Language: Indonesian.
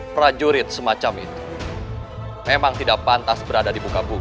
prajurit semacam itu memang tidak pantas berada di bukabung